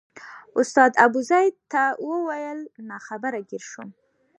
استاد ابوزید ته وویل ناخبره ګیر شوم.